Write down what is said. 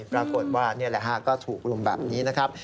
ปรากฏว่านี่แหละฮะก็ถูกลุมแบบนี้นะครับ